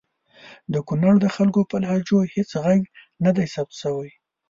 د کنړ د خلګو په لهجو هیڅ ږغ ندی ثبت سوی!